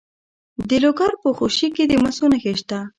د لوګر په خوشي کې د مسو نښې شته.